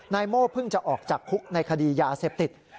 โม่เพิ่งจะออกจากคุกในคดียาเสพติด